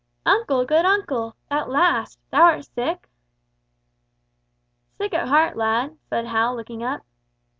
"Uncle, good uncle! At last! Thou art sick?" "Sick at heart, lad," said Hal, looking up.